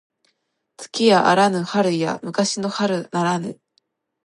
月やあらぬ春や昔の春ならぬ